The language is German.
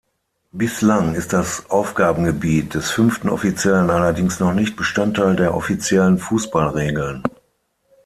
Bislang ist das Aufgabengebiet des fünften Offiziellen allerdings noch nicht Bestandteil der offiziellen Fußballregeln.